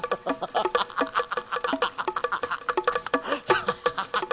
ハハハハ。